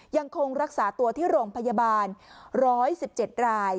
ยังคงรักษาตัวที่โรงพยาบาล๑๑๗ราย